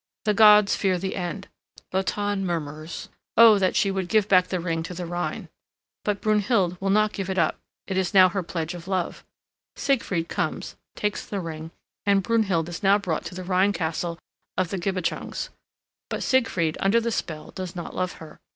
The gods fear the end. Wotan murmurs, "O that she would give back the ring to the Rhine." But Brunhild will not give it up, it is now her pledge of love. Siegfried comes, takes the ring, and Brunhild is now brought to the Rhine castle of the Gibichungs, but Siegfried under the spell does not love her.